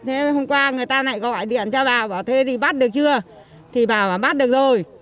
thế hôm qua người ta lại gọi điện cho bảo bảo thế thì bắt được chưa thì bảo bắt được rồi